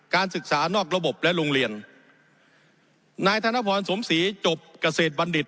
ศึกษานอกระบบและโรงเรียนนายธนพรสมศรีจบเกษตรบัณฑิต